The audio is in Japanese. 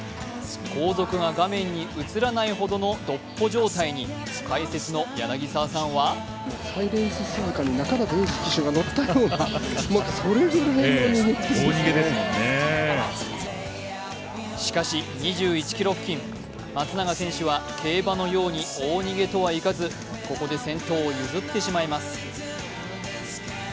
後続が画面に映らないほどの独歩状態に、解説の柳澤さんはしかし２１ｋｍ付近、松永選手は競馬のように大逃げとはいかずここで先頭を譲ってしまいます。